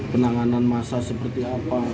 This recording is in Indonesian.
penanganan masa seperti apa